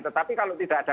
tetapi kalau tidak ada